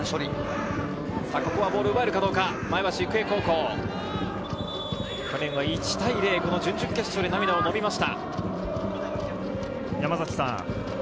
ここはボールを奪えるかどうか、前橋育英高校、去年は１対０、準々決勝で涙をのみました。